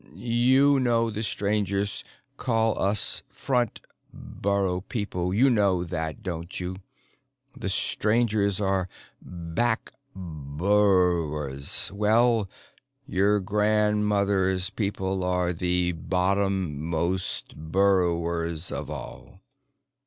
You know the Strangers call us front burrow people. You know that, don't you? The Strangers are back burrowers. Well, your grandmother's people are the bottom most burrowers of all."